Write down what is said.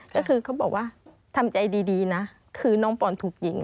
ก็คือเขาบอกว่าทำใจดีนะคือน้องปอนถูกยิง